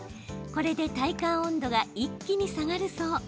これで体感温度が一気に下がるそう。